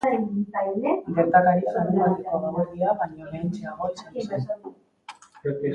Gertakaria larunbateko gauerdia baino lehentxeago izan zen.